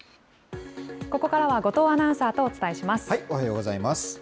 ここからは後藤アナウンサーとお伝えします。